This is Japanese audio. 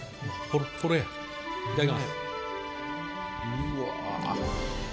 うわ。